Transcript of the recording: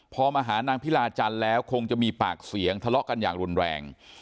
พอมาหานางพิลาจันทร์แล้วคงจะมีปากเสียงทะเลาะกันอย่างรุนแรง